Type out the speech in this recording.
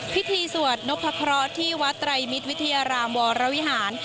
พิธีสวดนพครอที่วัดรายมิตรวิทยารามวรวิหาร